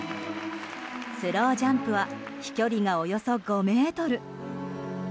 スロージャンプは飛距離がおよそ５ｍ。